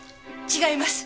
違います！